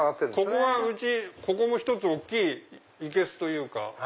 ここがうちここも１つ大きいいけすというか。